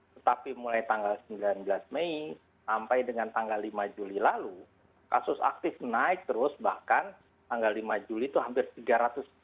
tetapi mulai tanggal sembilan belas mei sampai dengan tanggal lima juli lalu kasus aktif naik terus bahkan tanggal lima juli itu hampir tiga ratus tiga puluh